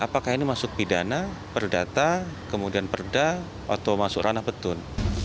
apakah ini masuk pidana perdata kemudian perda atau masuk ranah petun